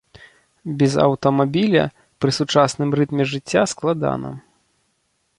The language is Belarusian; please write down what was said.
Без аўтамабіля пры сучасным рытме жыцця складана.